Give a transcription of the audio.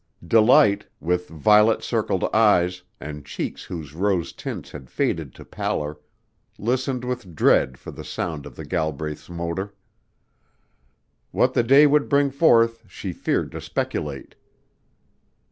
Delight, with violet circled eyes and cheeks whose rose tints had faded to pallor, listened with dread for the sound of the Galbraith's motor. What the day would bring forth she feared to speculate.